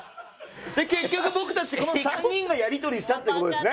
結局僕たちこの３人がやり取りしたって事ですね。